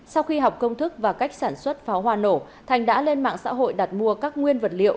sau khi học công thức và cách sản xuất pháo hoa nổ thành đã lên mạng xã hội đặt mua các nguyên vật liệu